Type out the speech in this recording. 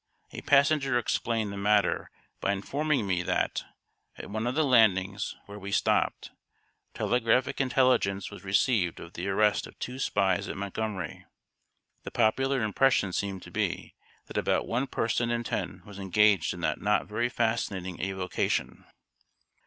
A passenger explained the matter, by informing me that, at one of the landings where we stopped, telegraphic intelligence was received of the arrest of two spies at Montgomery. The popular impression seemed to be, that about one person in ten was engaged in that not very fascinating avocation!